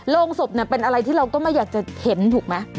โรงศพเป็นอะไรที่เราก็ไม่อยากจะเห็นถูกไหม